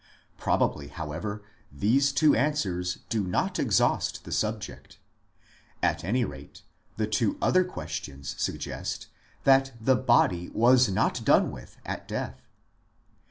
Probably, however, these two answers do not exhaust the subject. At any rate, the two other ques tions suggest that the body was not done with at death.